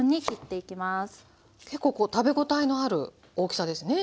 結構食べ応えのある大きさですね。